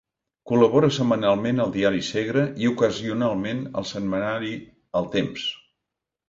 Col·labora setmanalment al diari Segre i ocasionalment al setmanari El Temps.